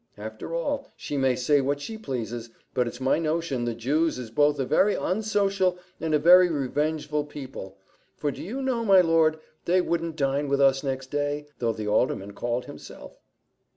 After all, she may say what she pleases, but it's my notion the Jews is both a very unsocial and a very revengeful people; for, do you know, my lord, they wouldn't dine with us next day, though the alderman called himself."